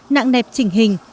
nặng nẹp trình hình